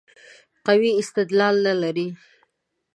قوي استدلال نه لري.